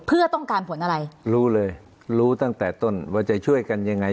เพื่อต้องการผลอะไรรู้เลยรู้ตั้งแต่ต้นว่าจะช่วยกันยังไง